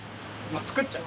作っちゃう？